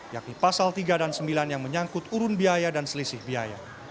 yakni pasal tiga dan sembilan yang menyangkut urun biaya dan selisih biaya